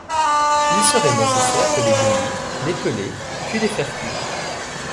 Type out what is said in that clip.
Il serait nécessaire de les bouillir, les peler puis les faire cuire.